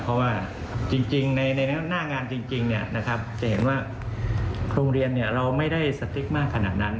เพราะว่าจริงจริงในในหน้างานจริงจริงเนี่ยนะครับจะเห็นว่าโรงเรียนเนี่ยเราไม่ได้สติกมากขนาดนั้น